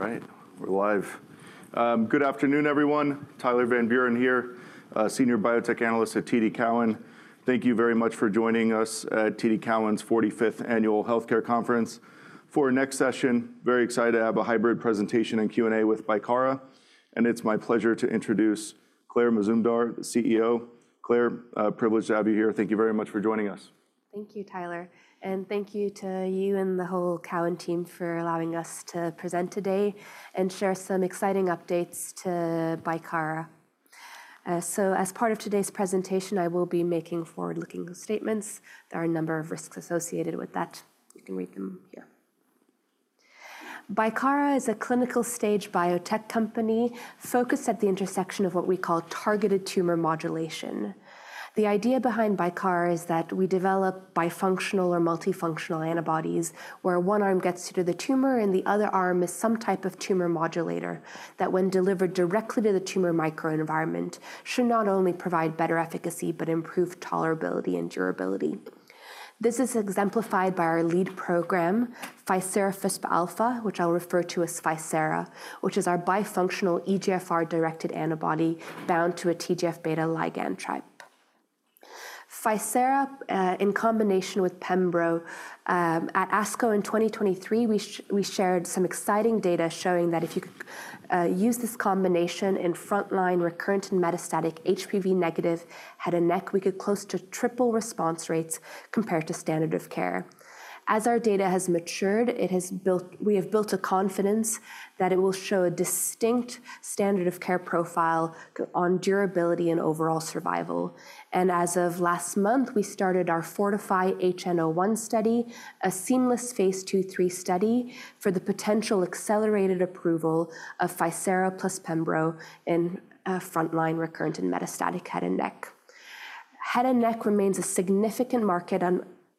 All right, we're live. Good afternoon, everyone. Tyler Van Buren here, Senior Biotech Analyst at TD Cowen. Thank you very much for joining us at TD Cowen's 45th Annual Healthcare Conference. For our next session, very excited to have a hybrid presentation and Q&A with Bicara, and it's my pleasure to introduce Claire Mazumdar, the CEO. Claire, privileged to have you here. Thank you very much for joining us. Thank you, Tyler, and thank you to you and the whole Cowen team for allowing us to present today and share some exciting updates to Bicara. As part of today's presentation, I will be making forward-looking statements. There are a number of risks associated with that. You can read them here. Bicara is a clinical stage biotech company focused at the intersection of what we call targeted tumor modulation. The idea behind Bicara is that we develop bifunctional or multifunctional antibodies where one arm gets to the tumor and the other arm is some type of tumor modulator that, when delivered directly to the tumor microenvironment, should not only provide better efficacy but improve tolerability and durability. This is exemplified by our lead program, ficerafusp alfa, which I'll refer to as Ficera, which is our bifunctional EGFR-directed antibody bound to a TGF-β ligand type. Ficera, in combination with Pembro, at ASCO in 2023, we shared some exciting data showing that if you could use this combination in frontline recurrent and metastatic HPV-negative head and neck, we could close to triple response rates compared to standard of care. As our data has matured, we have built a confidence that it will show a distinct standard of care profile on durability and overall survival. As of last month, we started our FORTIFI-HN01 study, a seamless phase two-three study for the potential accelerated approval of Ficera plus Pembro in frontline recurrent and metastatic head and neck. Head and neck remains a significant market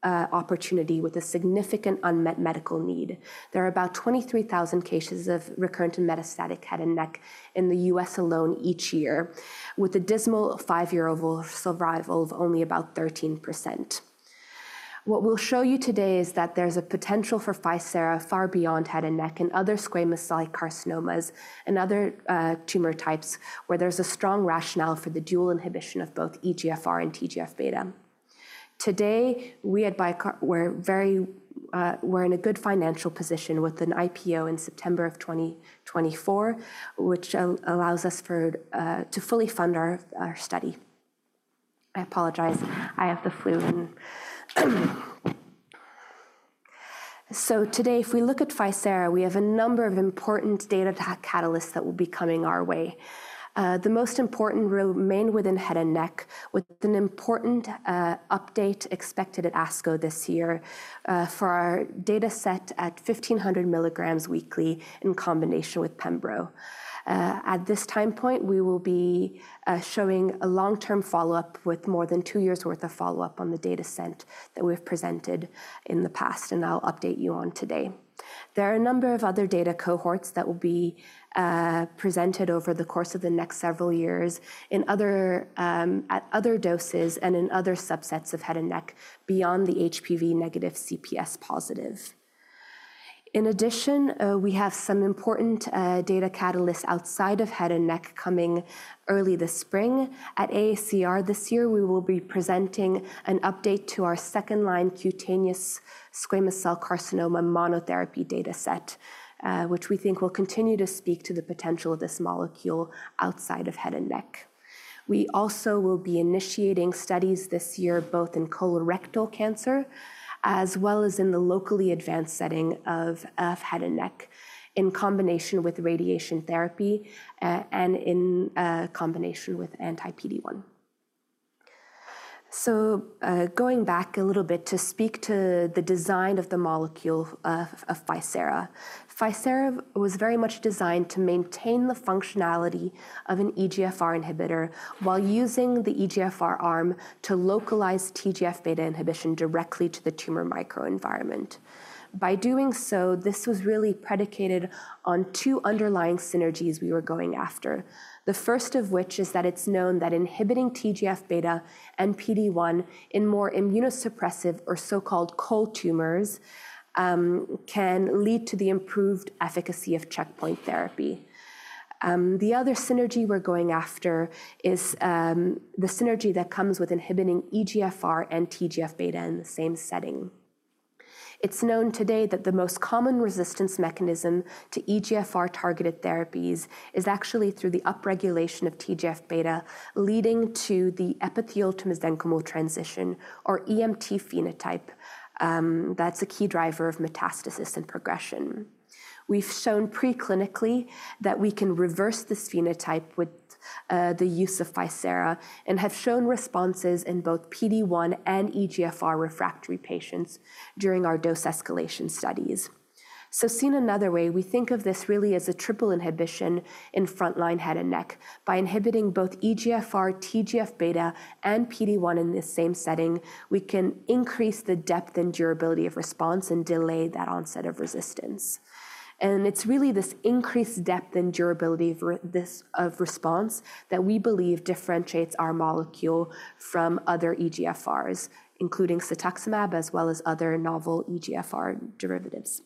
opportunity with a significant unmet medical need. There are about 23,000 cases of recurrent and metastatic head and neck in the U.S. alone each year, with a dismal five-year overall survival of only about 13%. What we'll show you today is that there's a potential for Ficera far beyond head and neck and other squamous cell carcinomas and other tumor types where there's a strong rationale for the dual inhibition of both EGFR and TGF-β. Today, we at Bicara are in a good financial position with an IPO in September of 2024, which allows us to fully fund our study. I apologize, I have the flu. Today, if we look at Ficera, we have a number of important data catalysts that will be coming our way. The most important remain within head and neck, with an important update expected at ASCO this year for our data set at 1,500 mg weekly in combination with Pembro. At this time point, we will be showing a long-term follow-up with more than two years' worth of follow-up on the data set that we've presented in the past, and I'll update you on today. There are a number of other data cohorts that will be presented over the course of the next several years at other doses and in other subsets of head and neck beyond the HPV-negative CPS positive. In addition, we have some important data catalysts outside of head and neck coming early this spring. At AACR this year, we will be presenting an update to our second-line cutaneous squamous cell carcinoma monotherapy data set, which we think will continue to speak to the potential of this molecule outside of head and neck. We also will be initiating studies this year both in colorectal cancer as well as in the locally advanced setting of head and neck in combination with radiation therapy and in combination with anti-PD-1. Going back a little bit to speak to the design of the molecule of Ficera, Ficera was very much designed to maintain the functionality of an EGFR inhibitor while using the EGFR arm to localize TGF-β inhibition directly to the tumor microenvironment. By doing so, this was really predicated on two underlying synergies we were going after, the first of which is that it's known that inhibiting TGF-β and PD-1 in more immunosuppressive or so-called cold tumors can lead to the improved efficacy of checkpoint therapy. The other synergy we're going after is the synergy that comes with inhibiting EGFR and TGF-β in the same setting. It's known today that the most common resistance mechanism to EGFR-targeted therapies is actually through the upregulation of TGF-β, leading to the epithelial to mesenchymal transition or EMT phenotype. That's a key driver of metastasis and progression. We've shown preclinically that we can reverse this phenotype with the use of ficerafusp alfa and have shown responses in both PD-1 and EGFR refractory patients during our dose escalation studies. Seen another way, we think of this really as a triple inhibition in frontline head and neck. By inhibiting both EGFR, TGF-β, and PD-1 in the same setting, we can increase the depth and durability of response and delay that onset of resistance. It's really this increased depth and durability of response that we believe differentiates our molecule from other EGFRs, including cetuximab as well as other novel EGFR derivatives.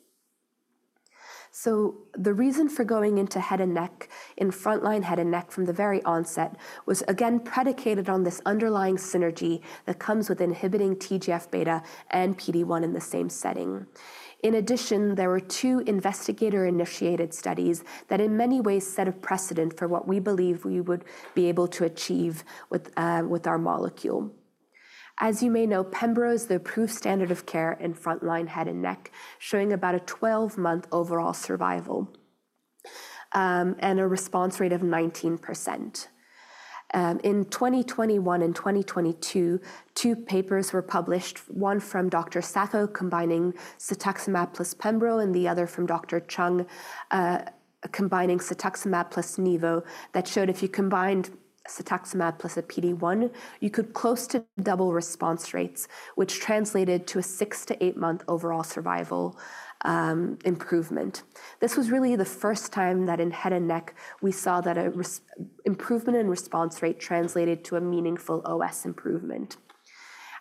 The reason for going into head and neck in frontline head and neck from the very onset was, again, predicated on this underlying synergy that comes with inhibiting TGF-β and PD-1 in the same setting. In addition, there were two investigator-initiated studies that in many ways set a precedent for what we believe we would be able to achieve with our molecule. As you may know, Pembro is the approved standard of care in frontline head and neck, showing about a 12-month overall survival and a response rate of 19%. In 2021 and 2022, two papers were published, one from Dr. Sacco combining cetuximab plus Pembro and the other from Dr. Chung, combining cetuximab plus Nevo that showed if you combined cetuximab plus a PD-1, you could close to double response rates, which translated to a six- to eight-month overall survival improvement. This was really the first time that in head and neck we saw that an improvement in response rate translated to a meaningful OS improvement.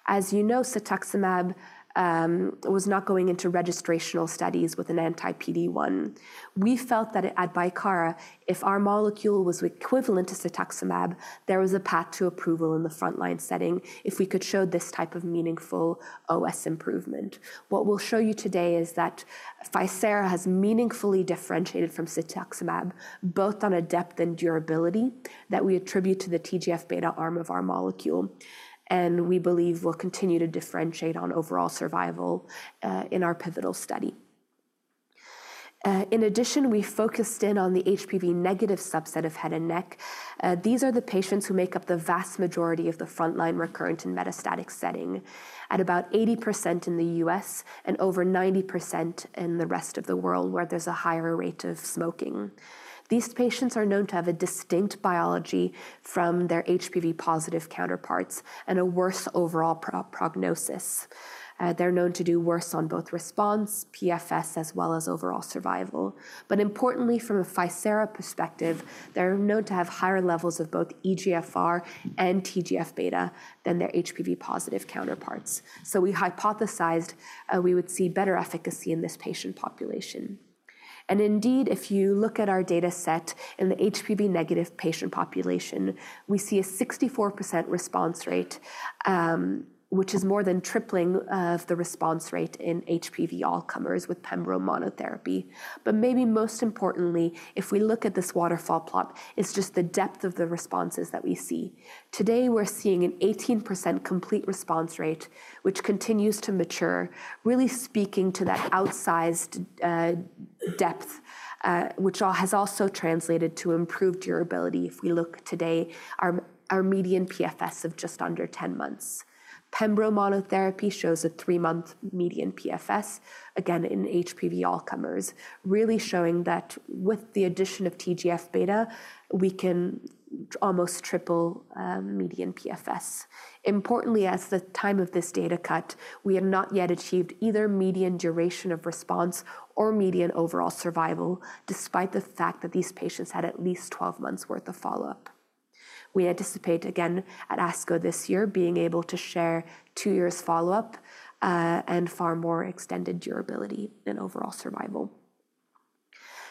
As you know, cetuximab was not going into registrational studies with an anti-PD-1. We felt that at Bicara, if our molecule was equivalent to cetuximab, there was a path to approval in the frontline setting if we could show this type of meaningful OS improvement. What we'll show you today is that ficerafusp alfa has meaningfully differentiated from cetuximab both on a depth and durability that we attribute to the TGF-β arm of our molecule, and we believe will continue to differentiate on overall survival in our pivotal study. In addition, we focused in on the HPV-negative subset of head and neck. These are the patients who make up the vast majority of the frontline recurrent and metastatic setting, at about 80% in the U.S. and over 90% in the rest of the world where there's a higher rate of smoking. These patients are known to have a distinct biology from their HPV-positive counterparts and a worse overall prognosis. They're known to do worse on both response, PFS, as well as overall survival. Importantly, from a Ficera perspective, they're known to have higher levels of both EGFR and TGF-β than their HPV-positive counterparts. We hypothesized we would see better efficacy in this patient population. Indeed, if you look at our data set in the HPV-negative patient population, we see a 64% response rate, which is more than tripling of the response rate in HPV all-comers with Pembro monotherapy. Maybe most importantly, if we look at this waterfall plot, it's just the depth of the responses that we see. Today, we're seeing an 18% complete response rate, which continues to mature, really speaking to that outsized depth, which has also translated to improved durability if we look today, our median PFS of just under 10 months. Pembro monotherapy shows a three-month median PFS, again, in HPV all-comers, really showing that with the addition of TGF-β, we can almost triple median PFS. Importantly, as the time of this data cut, we have not yet achieved either median duration of response or median overall survival despite the fact that these patients had at least 12 months' worth of follow-up. We anticipate, again, at ASCO this year, being able to share two years' follow-up and far more extended durability and overall survival.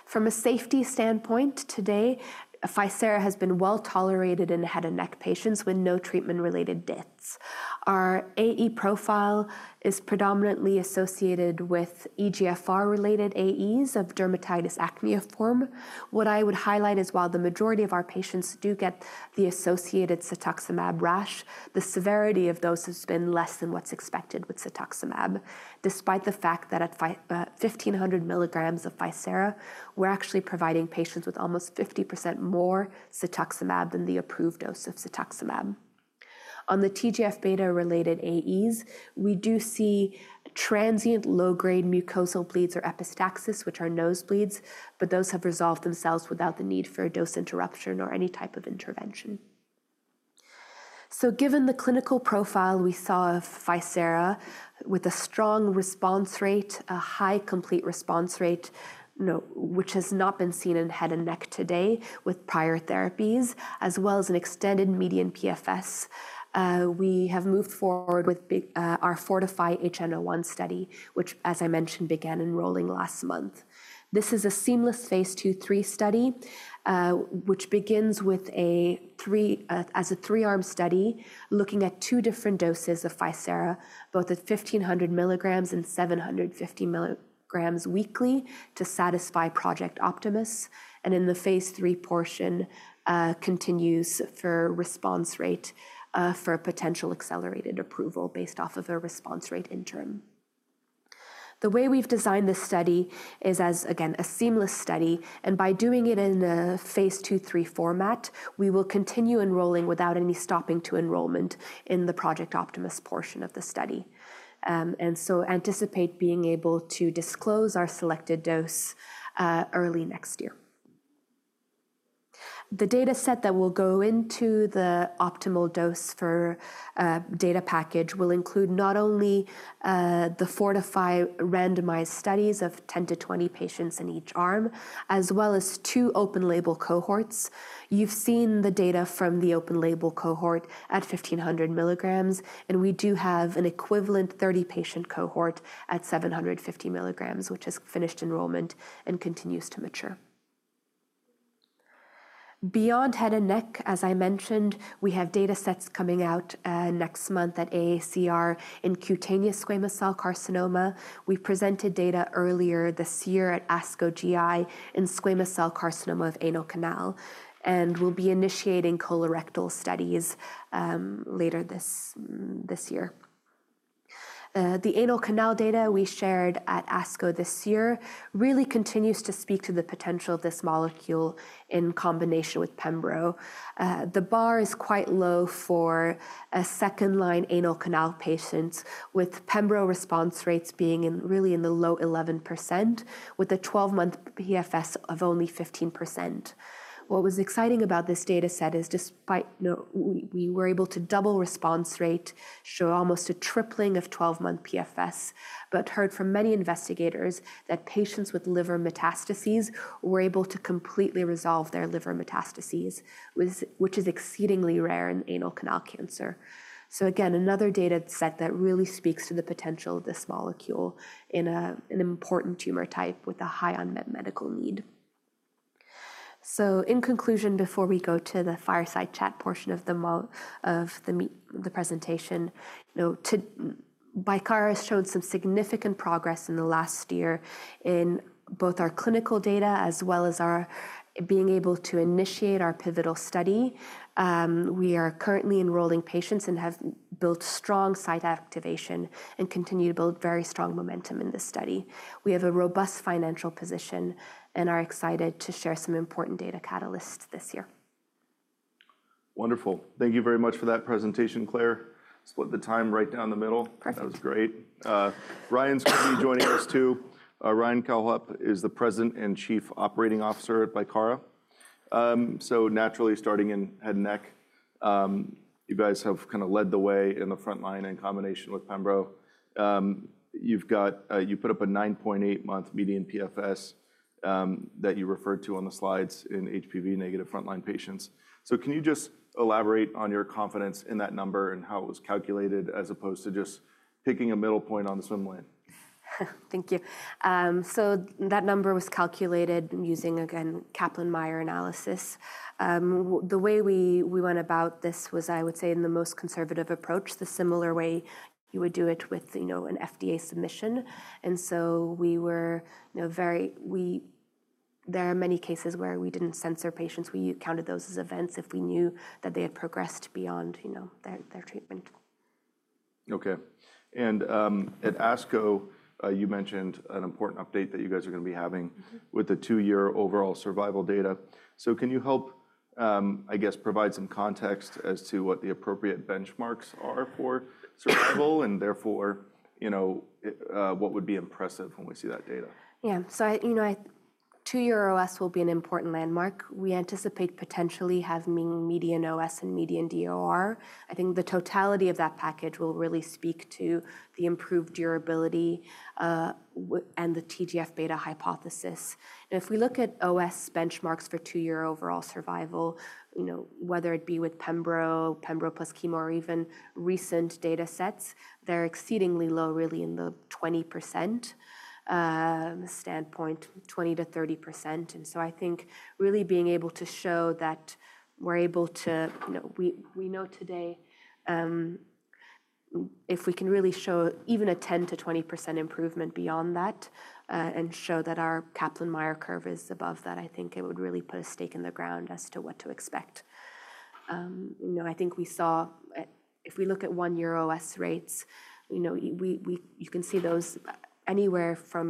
From a safety standpoint, today, Ficera has been well tolerated in head and neck patients with no treatment-related deaths. Our AE profile is predominantly associated with EGFR-related AEs of dermatitis acneiform. What I would highlight is while the majority of our patients do get the associated cetuximab rash, the severity of those has been less than what's expected with cetuximab, despite the fact that at 1,500 mg of Ficera, we're actually providing patients with almost 50% more cetuximab than the approved dose of cetuximab. On the TGF-β-related AEs, we do see transient low-grade mucosal bleeds or epistaxis, which are nosebleeds, but those have resolved themselves without the need for a dose interruption or any type of intervention. Given the clinical profile, we saw Ficera with a strong response rate, a high complete response rate, which has not been seen in head and neck today with prior therapies, as well as an extended median PFS. We have moved forward with our FORTIFI-HN01 study, which, as I mentioned, began enrolling last month. This is a seamless phase two-three study, which begins as a three-arm study looking at two different doses of Ficera, both at 1,500 mg and 750 mg weekly to satisfy Project Optimus. In the phase three portion, it continues for response rate for potential accelerated approval based off of a response rate interim. The way we've designed this study is as, again, a seamless study. By doing it in the phase two-three format, we will continue enrolling without any stopping to enrollment in the Project Optimus portion of the study. I anticipate being able to disclose our selected dose early next year. The data set that will go into the optimal dose for data package will include not only the FORTIFI randomized studies of 10-20 patients in each arm, as well as two open label cohorts. You've seen the data from the open label cohort at 1,500 mg, and we do have an equivalent 30-patient cohort at 750 mg, which has finished enrollment and continues to mature. Beyond head and neck, as I mentioned, we have data sets coming out next month at AACR in cutaneous squamous cell carcinoma. We presented data earlier this year at ASCO GI in squamous cell carcinoma of anal canal and will be initiating colorectal studies later this year. The anal canal data we shared at ASCO this year really continues to speak to the potential of this molecule in combination with Pembro. The bar is quite low for second-line anal canal patients, with Pembro response rates being really in the low 11%, with a 12-month PFS of only 15%. What was exciting about this data set is despite we were able to double response rate, show almost a tripling of 12-month PFS, but heard from many investigators that patients with liver metastases were able to completely resolve their liver metastases, which is exceedingly rare in anal canal cancer. Again, another data set that really speaks to the potential of this molecule in an important tumor type with a high unmet medical need. In conclusion, before we go to the fireside chat portion of the presentation, Bicara has showed some significant progress in the last year in both our clinical data as well as our being able to initiate our pivotal study. We are currently enrolling patients and have built strong site activation and continue to build very strong momentum in this study. We have a robust financial position and are excited to share some important data catalysts this year. Wonderful. Thank you very much for that presentation, Claire. Split the time right down the middle. That was great. Ryan's going to be joining us too. Ryan Cohlhepp is the President and Chief Operating Officer at Bicara. Naturally, starting in head and neck, you guys have kind of led the way in the frontline in combination with Pembro. You put up a 9.8-month median PFS that you referred to on the slides in HPV-negative frontline patients. Can you just elaborate on your confidence in that number and how it was calculated as opposed to just picking a middle point on the swim lane? Thank you. That number was calculated using, again, Kaplan-Meier analysis. The way we went about this was, I would say, in the most conservative approach, the similar way you would do it with an FDA submission. There are many cases where we did not censor patients. We counted those as events if we knew that they had progressed beyond their treatment. Okay. At ASCO, you mentioned an important update that you guys are going to be having with the two-year overall survival data. Can you help, I guess, provide some context as to what the appropriate benchmarks are for survival and therefore what would be impressive when we see that data? Yeah. Two-year OS will be an important landmark. We anticipate potentially having median OS and median DOR. I think the totality of that package will really speak to the improved durability and the TGF-β hypothesis. If we look at OS benchmarks for two-year overall survival, whether it be with Pembro, Pembro plus Chemo, or even recent data sets, they are exceedingly low, really, in the 20% standpoint, 20-30%. I think really being able to show that we are able to, we know today, if we can really show even a 10-20% improvement beyond that and show that our Kaplan-Meier curve is above that, it would really put a stake in the ground as to what to expect. I think we saw, if we look at one-year OS rates, you can see those anywhere from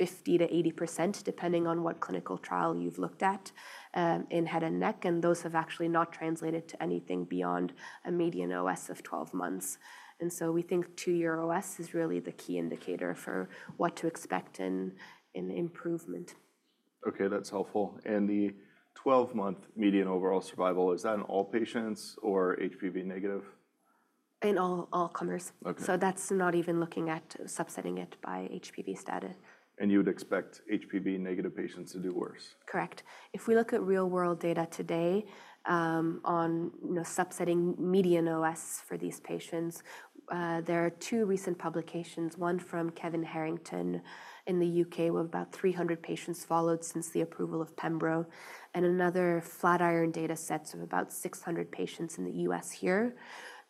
50-80%, depending on what clinical trial you have looked at in head and neck. Those have actually not translated to anything beyond a median OS of 12 months. We think two-year OS is really the key indicator for what to expect in improvement. Okay. That's helpful. The 12-month median overall survival, is that in all patients or HPV-negative? In all comers. That's not even looking at subsetting it by HPV status. You would expect HPV-negative patients to do worse? Correct. If we look at real-world data today on subsetting median OS for these patients, there are two recent publications, one from Kevin Harrington in the U.K. with about 300 patients followed since the approval of Pembro, and another Flatiron data set of about 600 patients in the U.S. here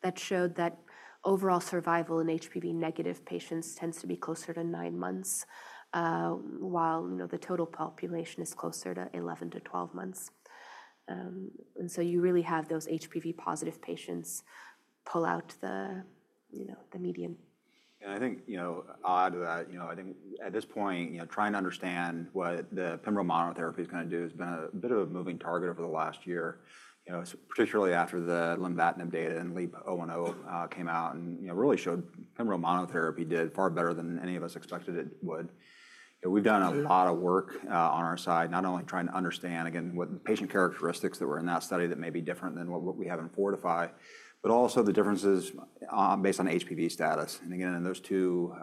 that showed that overall survival in HPV-negative patients tends to be closer to nine months, while the total population is closer to 11-12 months. You really have those HPV-positive patients pull out the median. I think, odd to that, I think at this point, trying to understand what the Pembro monotherapy is going to do has been a bit of a moving target over the last year, particularly after the lymphadenom data and LEEP-010 came out and really showed Pembro monotherapy did far better than any of us expected it would. We've done a lot of work on our side, not only trying to understand, again, what patient characteristics that were in that study that may be different than what we have in FORTIFI, but also the differences based on HPV status. Again, in those two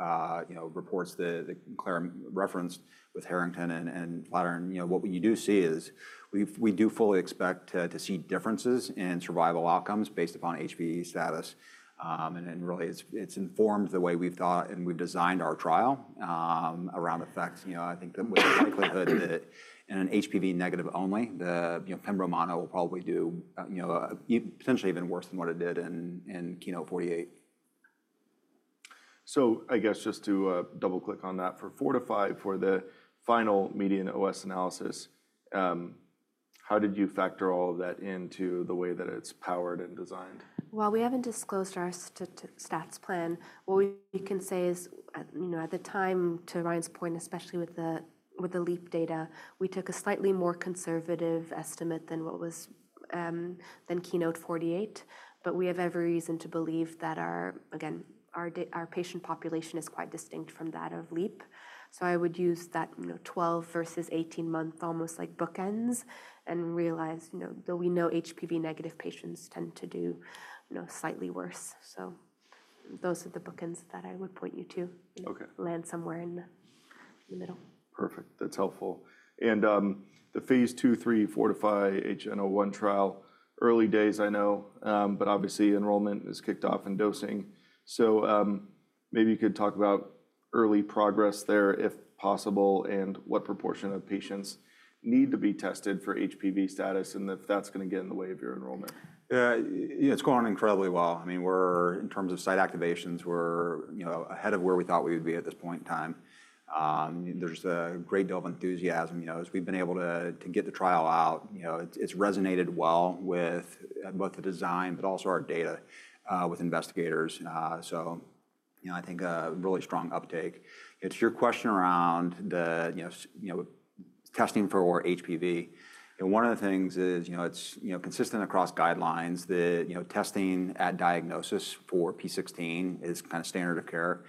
reports that Claire referenced with Harrington and Flatiron, what you do see is we do fully expect to see differences in survival outcomes based upon HPV status. It has informed the way we've thought and we've designed our trial around effects. I think that with the likelihood that in an HPV-negative only, the Pembro mono will probably do potentially even worse than what it did in KEYNOTE-48. I guess just to double-click on that, for FORTIFI, for the final median OS analysis, how did you factor all of that into the way that it's powered and designed? We haven't disclosed our stats plan. What we can say is, at the time, to Ryan's point, especially with the LEEP data, we took a slightly more conservative estimate than KEYNOTE-48. We have every reason to believe that, again, our patient population is quite distinct from that of LEEP. I would use that 12 versus 18-month almost like bookends and realize, though we know HPV-negative patients tend to do slightly worse. Those are the bookends that I would point you to land somewhere in the middle. Perfect. That's helpful. The phase III, III, FORTIFI-HN01 trial, early days, I know, but obviously enrollment is kicked off and dosing. Maybe you could talk about early progress there if possible and what proportion of patients need to be tested for HPV status and if that's going to get in the way of your enrollment. It's gone incredibly well. I mean, in terms of site activations, we're ahead of where we thought we would be at this point in time. There's a great deal of enthusiasm as we've been able to get the trial out. It's resonated well with both the design, but also our data with investigators. I think a really strong uptake. It's your question around the testing for HPV. One of the things is it's consistent across guidelines that testing at diagnosis for P16 is kind of standard of care.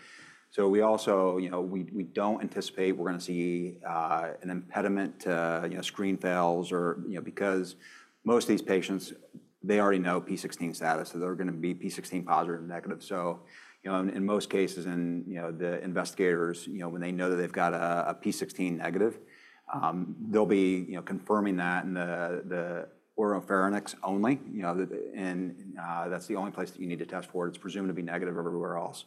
We don't anticipate we're going to see an impediment to screen fails because most of these patients, they already know P16 status, so they're going to be P16 positive or negative. In most cases, and the investigators, when they know that they've got a P16 negative, they'll be confirming that in the oropharynx only. That's the only place that you need to test for. It's presumed to be negative everywhere else.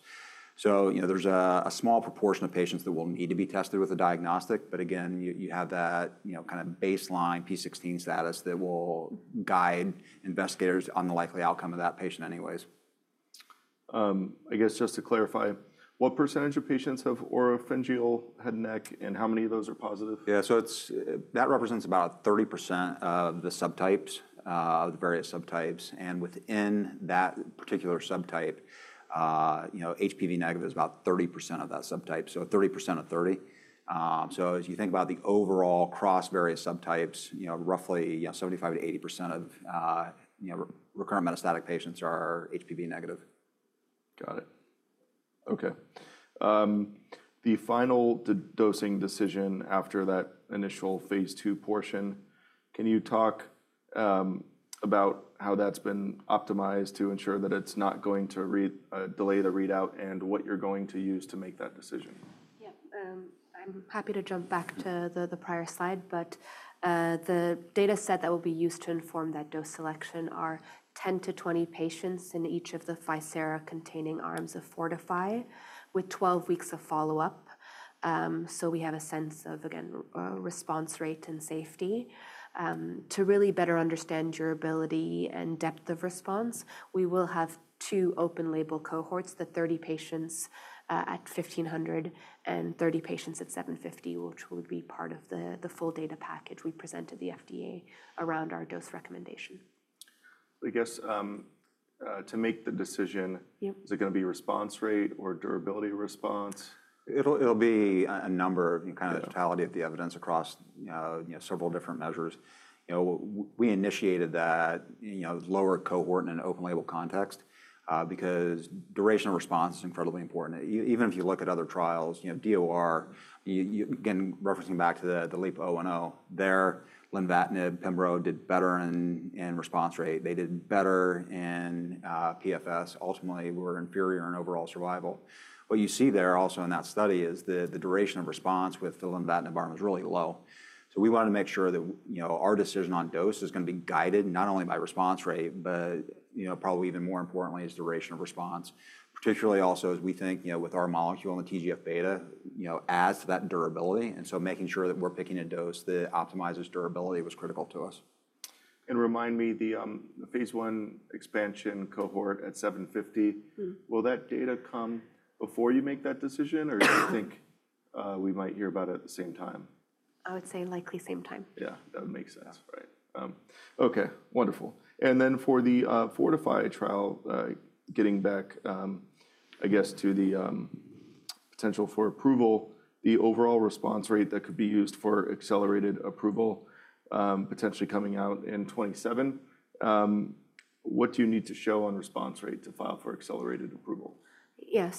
There's a small proportion of patients that will need to be tested with a diagnostic. Again, you have that kind of baseline P16 status that will guide investigators on the likely outcome of that patient anyways. I guess just to clarify, what percentage of patients have oropharyngeal head and neck, and how many of those are positive? Yeah. That represents about 30% of the subtypes, the various subtypes. Within that particular subtype, HPV-negative is about 30% of that subtype, so 30% of 30. As you think about the overall cross various subtypes, roughly 75%-80% of recurrent metastatic patients are HPV-negative. Got it. Okay. The final dosing decision after that initial phase II portion, can you talk about how that's been optimized to ensure that it's not going to delay the readout and what you're going to use to make that decision? Yeah. I'm happy to jump back to the prior slide, but the data set that will be used to inform that dose selection are 10-20 patients in each of the ficerafusp-containing arms of FORTIFI with 12 weeks of follow-up. We have a sense of, again, response rate and safety. To really better understand durability and depth of response, we will have two open label cohorts, the 30 patients at 1,500 and 30 patients at 750, which will be part of the full data package we present to the FDA around our dose recommendation. I guess to make the decision, is it going to be response rate or durability response? It'll be a number, kind of the totality of the evidence across several different measures. We initiated that lower cohort in an open label context because duration of response is incredibly important. Even if you look at other trials, DOR, again, referencing back to the LEEP-010, their lymphadenom Pembro did better in response rate. They did better in PFS. Ultimately, we were inferior in overall survival. What you see there also in that study is the duration of response with the lymphadenom arm is really low. We wanted to make sure that our decision on dose is going to be guided not only by response rate, but probably even more importantly is duration of response, particularly also as we think with our molecule and the TGF-β adds to that durability. Making sure that we're picking a dose that optimizes durability was critical to us. Remind me, the phase one expansion cohort at 750, will that data come before you make that decision, or do you think we might hear about it at the same time? I would say likely same time. Yeah. That would make sense. Right. Okay. Wonderful. And then for the FORTIFI trial, getting back, I guess, to the potential for approval, the overall response rate that could be used for accelerated approval potentially coming out in 2027, what do you need to show on response rate to file for accelerated approval? Yeah.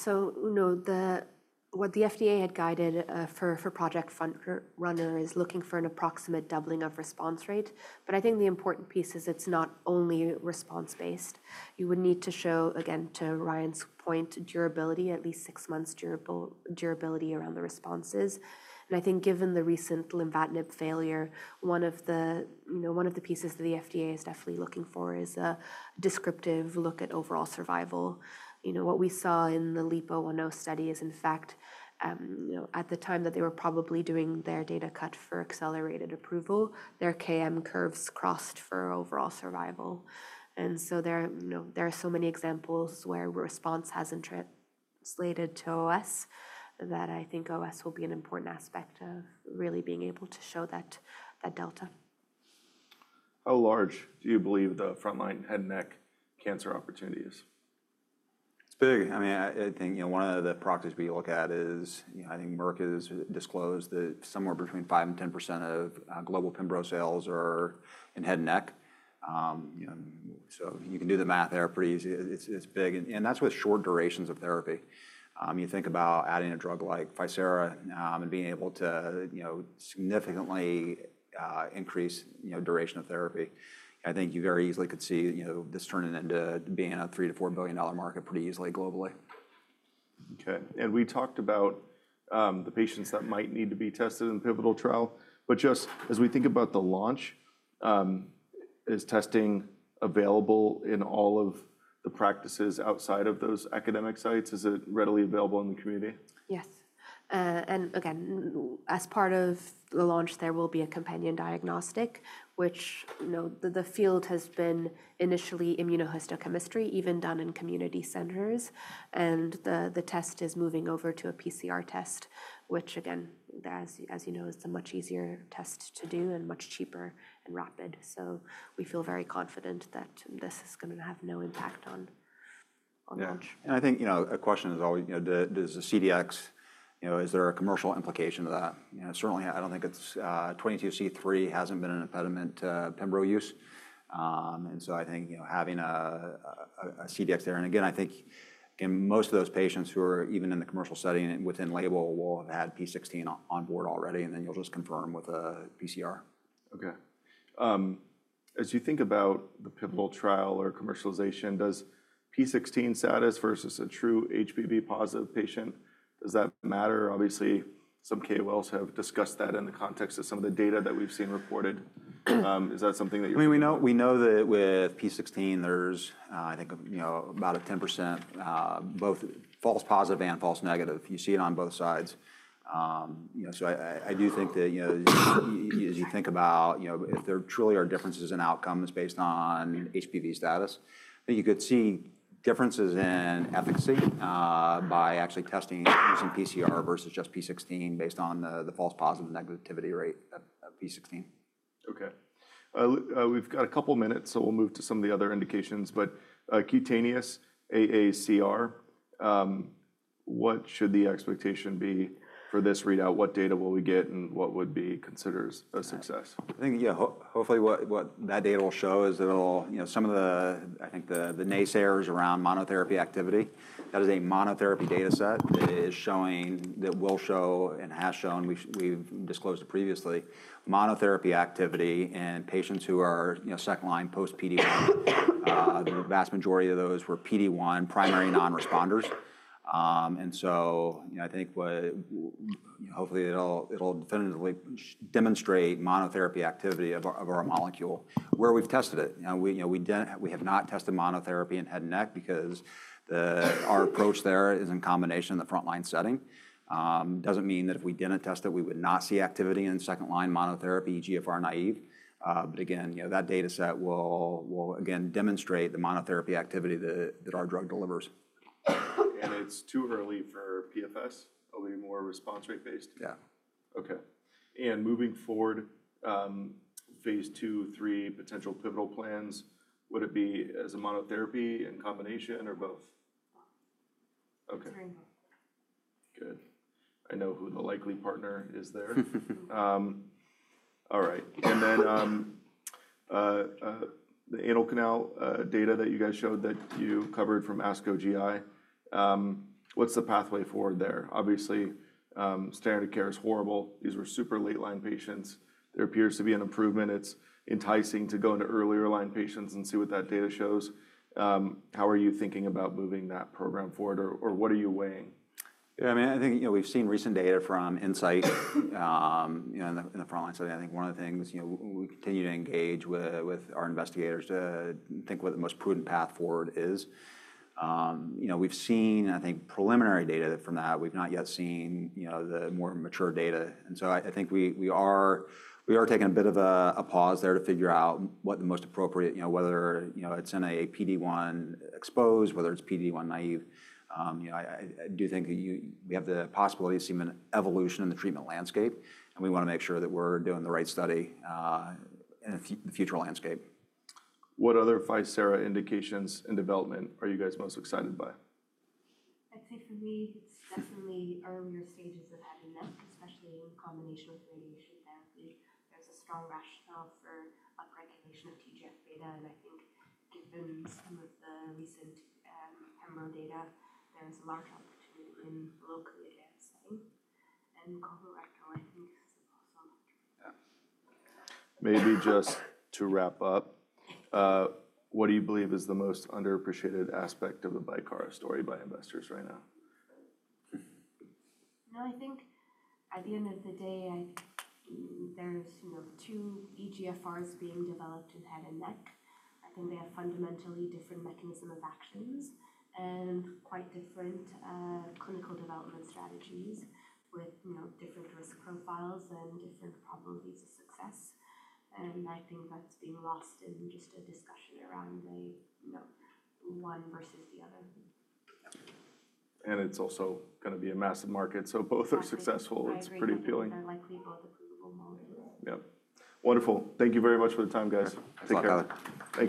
What the FDA had guided for Project Front Runner is looking for an approximate doubling of response rate. I think the important piece is it's not only response-based. You would need to show, again, to Ryan's point, durability, at least six months durability around the responses. I think given the recent lymphadenom failure, one of the pieces that the FDA is definitely looking for is a descriptive look at overall survival. What we saw in the LEEP-010 study is, in fact, at the time that they were probably doing their data cut for accelerated approval, their KM curves crossed for overall survival. There are so many examples where response hasn't translated to OS that I think OS will be an important aspect of really being able to show that delta. How large do you believe the frontline head and neck cancer opportunity is? It's big. I mean, I think one of the proxies we look at is I think Merck has disclosed that somewhere between 5% and 10% of global Pembro sales are in head and neck. You can do the math there pretty easy. It's big. That's with short durations of therapy. You think about adding a drug like ficera and being able to significantly increase duration of therapy. I think you very easily could see this turning into being a $3 billion-$4 billion market pretty easily globally. Okay. We talked about the patients that might need to be tested in the pivotal trial. Just as we think about the launch, is testing available in all of the practices outside of those academic sites? Is it readily available in the community? Yes. Again, as part of the launch, there will be a companion diagnostic, which the field has been initially immunohistochemistry, even done in community centers. The test is moving over to a PCR test, which, again, as you know, is a much easier test to do and much cheaper and rapid. We feel very confident that this is going to have no impact on launch. Yeah. I think a question is always, does the CDX, is there a commercial implication of that? Certainly, I don't think 22C3 hasn't been an impediment to Pembro use. I think having a CDX there, and again, I think most of those patients who are even in the commercial setting within label will have had P16 on board already, and then you'll just confirm with a PCR. Okay. As you think about the pivotal trial or commercialization, does P16 status versus a true HPV-positive patient, does that matter? Obviously, some KOLs have discussed that in the context of some of the data that we've seen reported. Is that something that you're? I mean, we know that with P16, there's, I think, about a 10% both false positive and false negative. You see it on both sides. I do think that as you think about if there truly are differences in outcomes based on HPV status, you could see differences in efficacy by actually testing using PCR versus just P16 based on the false positive negativity rate of P16. Okay. We've got a couple of minutes, so we'll move to some of the other indications. Cutaneous, AACR, what should the expectation be for this readout? What data will we get, and what would be considered a success? I think, yeah, hopefully what that data will show is that some of the, I think, the naysayers around monotherapy activity, that is a monotherapy data set that is showing that will show and has shown, we've disclosed previously, monotherapy activity in patients who are second line post-PD-1. The vast majority of those were PD-1 primary non-responders. I think hopefully it'll definitively demonstrate monotherapy activity of our molecule where we've tested it. We have not tested monotherapy in head and neck because our approach there is in combination in the frontline setting. Doesn't mean that if we didn't test it, we would not see activity in second line monotherapy, EGFR naive. Again, that data set will, again, demonstrate the monotherapy activity that our drug delivers. It's too early for PFS? It'll be more response rate based? Yeah. Okay. Moving forward, phase two, three, potential pivotal plans, would it be as a monotherapy, in combination, or both? Okay. Good. I know who the likely partner is there. All right. The anal canal data that you guys showed that you covered from ASCO GI, what's the pathway forward there? Obviously, standard of care is horrible. These were super late line patients. There appears to be an improvement. It's enticing to go into earlier line patients and see what that data shows. How are you thinking about moving that program forward, or what are you weighing? Yeah. I mean, I think we've seen recent data from Insight in the frontline setting. I think one of the things we continue to engage with our investigators to think what the most prudent path forward is. We've seen, I think, preliminary data from that. We've not yet seen the more mature data. I think we are taking a bit of a pause there to figure out what the most appropriate, whether it's in a PD-1 exposed, whether it's PD-1 naive. I do think we have the possibility to see an evolution in the treatment landscape, and we want to make sure that we're doing the right study in the future landscape. What other ficera indications and development are you guys most excited by? I'd say for me, it's definitely earlier stages of head and neck, especially in combination with radiation therapy. There's a strong rationale for upregulation of TGF-β. I think given some of the recent pembro data, there's a large opportunity in the locally advanced setting. Colorectal, I think, is also a lot to work with. Yeah. Maybe just to wrap up, what do you believe is the most underappreciated aspect of the Bicara story by investors right now? I think at the end of the day, there are two EGFRs being developed in head and neck. I think they have fundamentally different mechanisms of action and quite different clinical development strategies with different risk profiles and different probabilities of success. I think that's being lost in just a discussion around one versus the other. It is also going to be a massive market. Both are successful. It is pretty appealing. They are likely both approvable molecules. Yep. Wonderful. Thank you very much for the time, guys. Thank you.